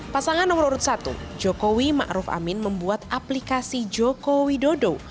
pasangan nomor urut satu jokowi ma'ruf amin membuat aplikasi jokowi dodo